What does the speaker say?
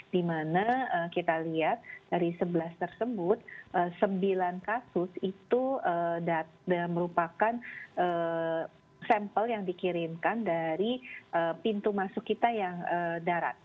di mana kita lihat dari sebelas tersebut sembilan kasus itu merupakan sampel yang dikirimkan dari pintu masuk kita yang darat